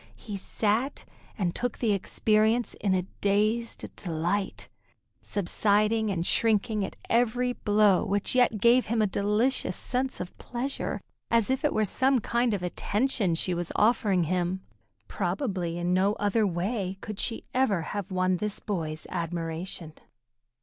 He sat and took the experience in a dazed delight, subsiding and shrinking at every blow which yet gave him a delicious sense of pleasure as if it were some kind of attention she was offering him. Probably in no other way could she have ever won this boy's admiration.